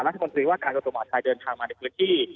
รัฐบันทรีย์ว่าการอัตโนมัติศาสตร์เดินทางมาในพื้นที่